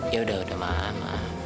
yaudah udah mama